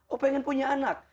oh pengen punya anak